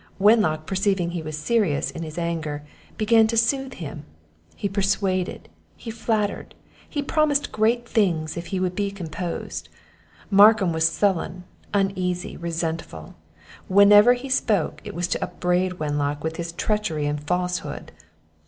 Wenlock perceiving he was serious in his anger, began to soothe him; he persuaded, he flattered, he promised great things if he would be composed. Markham was sullen, uneasy, resentful; whenever he spoke, it was to upbraid Wenlock with his treachery and falsehood.